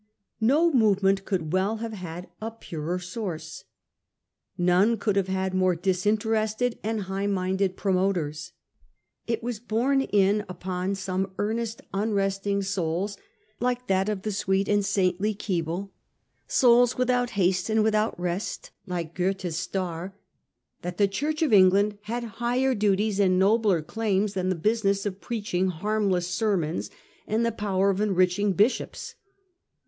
No; movement could well have had a purer source. None could have had more disinterested and high minded promoters. It was borne in upon some 1841. THE OXFORD MOVEMENT. 207 earnest unresting souls, like that of the sweet and saintly Keble — souls ' without haste and without rest,' like Goethe's star — that the Church of 'England had higher duties and nobler claims than the business of preaching harmless sermons and the power of en riching bishops.